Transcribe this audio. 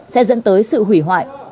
sẽ dẫn tới sự hủy hoại